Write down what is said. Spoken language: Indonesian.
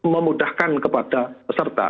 memudahkan kepada peserta